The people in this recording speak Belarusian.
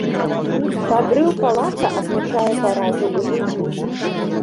Падрыў палаца азначае паразу ў гульні.